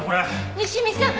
西見さん！